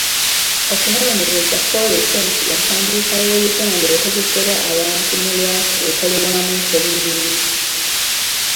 Okunoonyereza kwolese nti empandiika y'Oluganda ekozesebwa abantu mu lwatu ekolebwamu ensobi nnyingi.